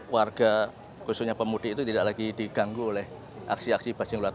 warga khususnya pemudi itu tidak lagi diganggu oleh aksi aksi bajeng loncat